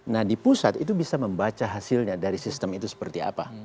nah di pusat itu bisa membaca hasilnya dari sistem itu seperti apa